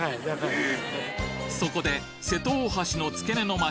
そこで瀬戸大橋の付け根の街